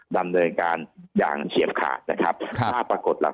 ท่านรองโฆษกครับ